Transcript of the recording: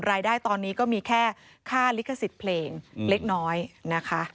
รายได้ตอนนี้ก็มีแค่ค่าลิขสิทธิ์เพลงเล็กน้อยนะคะ